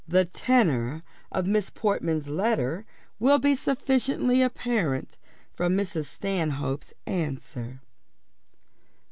The tenor of Miss Portman's letter will be sufficiently apparent from Mrs. Stanhope's answer.